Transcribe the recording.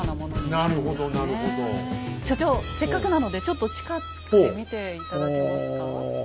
所長せっかくなのでちょっと近くで見て頂けますか？